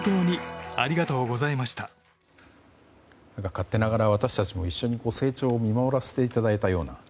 勝手ながら私たちも一緒に成長を見守らせていただいたような。